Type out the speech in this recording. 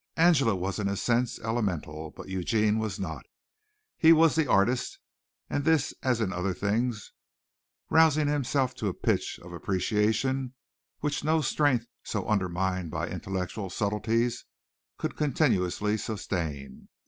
Angela was in a sense elemental, but Eugene was not: he was the artist, in this as in other things, rousing himself to a pitch of appreciation which no strength so undermined by intellectual subtleties could continuously sustain.